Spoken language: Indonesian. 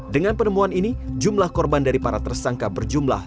dengan penemuan ini jumlah korban dari para tersangka berjumlah